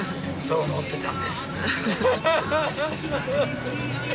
そう思ってたんです。